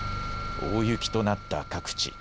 大雪となった各地。